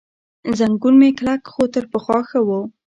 زنګون مې کلک، خو تر پخوا ښه و.